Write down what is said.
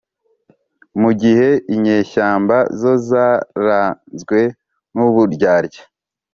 mu gihe inyeshyamba zo zaranzwe n'uburyarya.